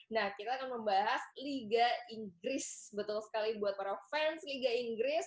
nah kita akan membahas liga inggris betul sekali buat para fans liga inggris